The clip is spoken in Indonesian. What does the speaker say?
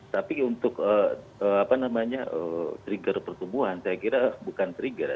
tapi untuk trigger pertumbuhan saya kira bukan trigger ya